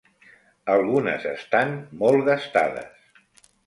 Algunes estan molt gastades.